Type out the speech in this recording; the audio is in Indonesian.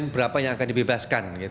berapa yang akan dibebaskan